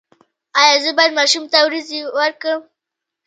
ایا زه باید ماشوم ته وریجې ورکړم؟